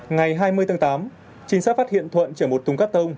ngày hai mươi tháng tám trinh sát phát hiện thuận chở một thùng cắt tông